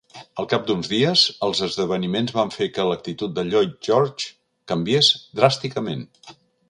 Al cap d'uns dies, els esdeveniments van fer que l'actitud de Lloyd George canviés dràsticament.